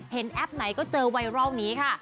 แอปไหนก็เจอไวรัลนี้ค่ะ